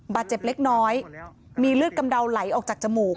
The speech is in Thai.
บาดเจ็บเล็กน้อยมีเลือดกำเดาไหลออกจากจมูก